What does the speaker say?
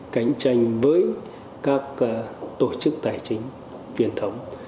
cạnh tranh với các tổ chức tài chính truyền thống